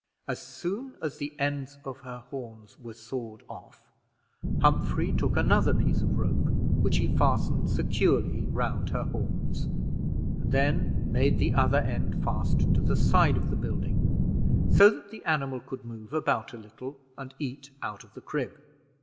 As soon as the ends of her horns were sawed off, Humphrey took another piece of rope, which he fastened securely round her horns, and then made the other end fast to the side of the building, so that the animal could move about a little and eat out of the crib.